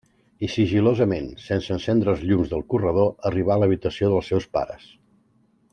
I sigil·losament, sense encendre els llums del corredor, arribà a l'habitació dels seus pares.